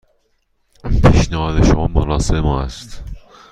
پیشنهاد شما مناسب ما است.